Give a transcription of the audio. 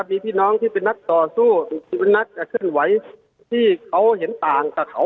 มีพี่น้องที่เป็นนักต่อสู้ที่เป็นนักเคลื่อนไหวที่เขาเห็นต่างกับเขา